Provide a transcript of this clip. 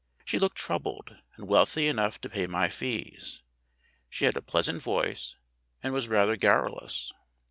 She looked troubled, and wealthy enough to pay my fees. She had a pleasant voice and was rather garrulous.